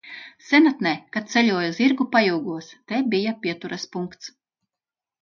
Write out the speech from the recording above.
Senatnē, kad ceļoja zirgu pajūgos, te bija pieturas punkts.